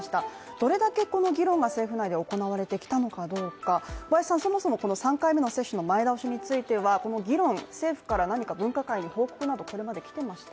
どれだけこの議論が政府内で行われてきたのかどうかはそもそもこの３回目の接種の前倒しについてはこの議論、政府から何か分科会の報告などこれまできてました。